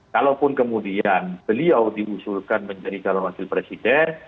kalaupun kemudian beliau diusulkan menjadi calon wakil presiden